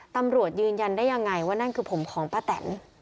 ตำรวจยืนยันได้ยังไงว่านั่นคือผมของป้าแตน